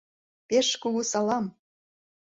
Пеш кугу салам!